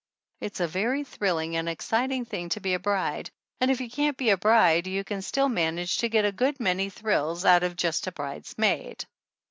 It's a very thrilling and exciting thing to be a bride and if you can't be a bride you can still manage to get a good many thrills out of j ust a 132 THE ANNALS OF ANN bridesmaid.